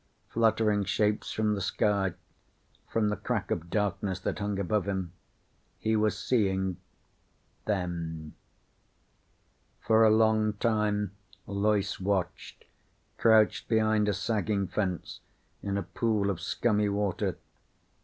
Fluttering shapes from the sky. From the crack of darkness that hung above him. He was seeing them. For a long time Loyce watched, crouched behind a sagging fence in a pool of scummy water.